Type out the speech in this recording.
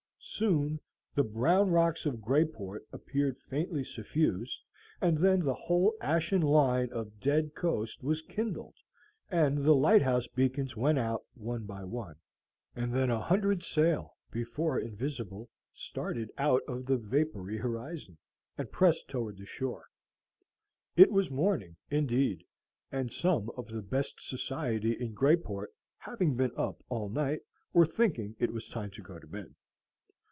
Soon the brown rocks of Greyport appeared faintly suffused, and then the whole ashen line of dead coast was kindled, and the lighthouse beacons went out one by one. And then a hundred sail, before invisible, started out of the vapory horizon, and pressed toward the shore. It was morning, indeed, and some of the best society in Greyport, having been up all night, were thinking it was time to go to bed.